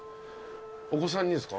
お子さんにですか？